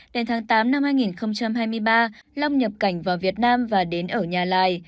đến tháng tám năm hai nghìn hai mươi ba lai nhập cảnh vào việt nam và đến ở nhà lai